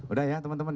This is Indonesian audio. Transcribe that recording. udah ya teman teman ya